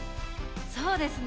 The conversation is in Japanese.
そうですね。